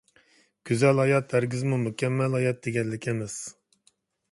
گۈزەل ھايات ھەرگىزمۇ مۇكەممەل ھايات دېگەنلىك ئەمەس.